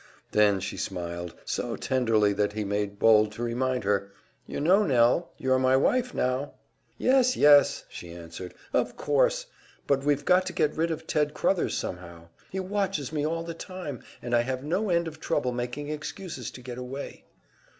Then she smiled, so tenderly that he made bold to remind her, "You know, Nell, you're my wife now!" "Yes, yes," she answered, "of course. But we've got to get rid of Ted Crothers somehow. He watches me all the time, and I have no end of trouble making excuses and getting away."